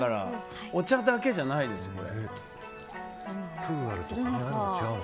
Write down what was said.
お茶だけじゃないですよね。